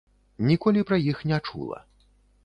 Ніколі пра іх не чула.